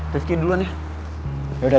ternyata rifki masih belum juga mau terbuka sama aku